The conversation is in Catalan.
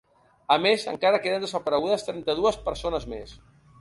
A més, encara queden desaparegudes trenta-dues persones més.